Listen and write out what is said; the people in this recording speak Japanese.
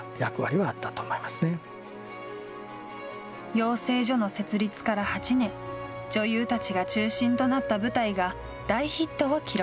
養成所の設立から８年、女優たちが中心となった舞台が大ヒットを記録。